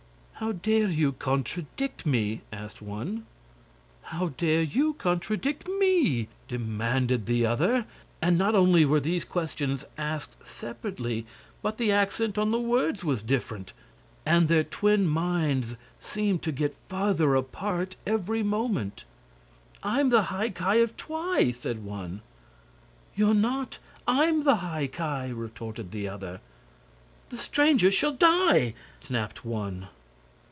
"How DARE you contradict me?" asked one. "How dare you contradict ME?" demanded the other, and not only were these questions asked separately, but the accent on the words was different. And their twin minds seemed to get farther apart every moment. "I'm the High Ki of Twi!" said one. "You're not! I'M the High Ki!" retorted the other. "The strangers shall die!" snapped one.